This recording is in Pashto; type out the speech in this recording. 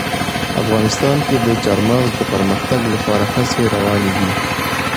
افغانستان کې د چار مغز د پرمختګ لپاره هڅې روانې دي.